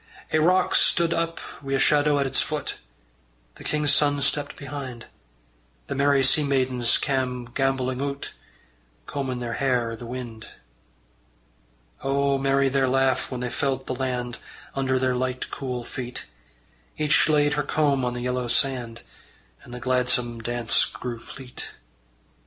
Ae rock stud up wi' a shadow at its foot: The king's son stepped behind: The merry sea maidens cam' gambolling oot, Combin' their hair i' the wind. O merry their laugh when they felt the land Under their light cool feet! Each laid her comb on the yellow sand, And the gladsome dance grew fleet.